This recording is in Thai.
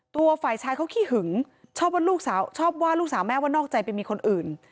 ตัวฝ่ายชายเขาขี้หึงชอบว่าลูกสาวแม่ว่านอกใจเป็นมีคนอื่น